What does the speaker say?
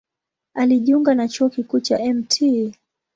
Alijiunga na Chuo Kikuu cha Mt.